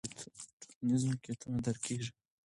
ټولنیز واقعیتونه درک کیږي.